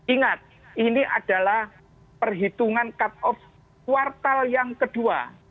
ingat ini adalah perhitungan cut of kuartal yang kedua